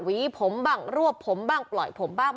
วีผมบ้างรวบผมบ้างปล่อยผมบ้าง